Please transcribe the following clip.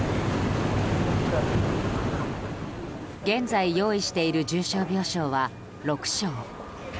現在、用意している重症病床は６床。